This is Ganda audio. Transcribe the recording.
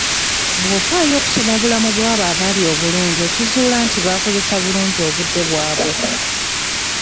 Bw'ofaayo okusoma obulamu bw'abo abali obulungi okizuula nti baakozesa bulungi obudde bwabwe.